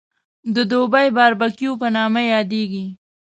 د دوبۍ باربکیو په نامه یادېږي.